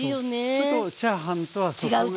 ちょっとチャーハンとはそこが違う。